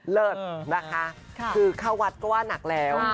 เลิศนะคะคือเข้าวัดก็ว่านักแล้ว